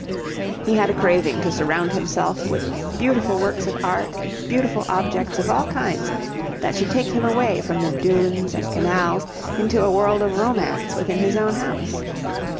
He had a craving to surround himself with beautiful works of art and beautiful objects of all kinds that should take him away from the dunes and canals into a world of romance within his own house.